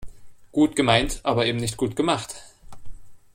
Gut gemeint, aber eben nicht gut gemacht.